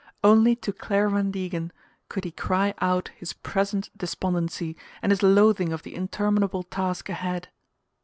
Only to Clare Van Degen could he cry out his present despondency and his loathing of the interminable task ahead.